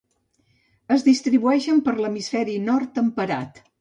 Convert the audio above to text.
Es distribueixen per l'hemisferi Nord temperat.